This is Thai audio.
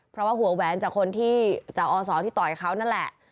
เพราะหัวแหวนเกี่ยวมามากเกิดจากออสออที่ต่อยเขานั่นแหละ